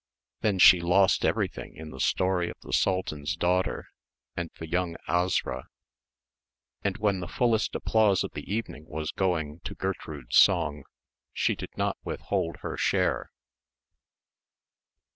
Then she lost everything in the story of the Sultan's daughter and the young Asra, and when the fullest applause of the evening was going to Gertrude's song, she did not withhold her share.